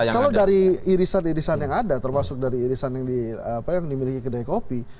kalau dari irisan irisan yang ada termasuk dari irisan yang dimiliki kedai kopi